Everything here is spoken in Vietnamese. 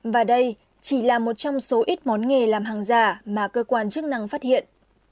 và đây chỉ là một trong số ít món nghề làm hàng giả mà cơ quan chức năng phát hiện